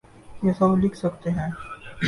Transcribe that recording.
یہ سب لکھ سکتے ہیں؟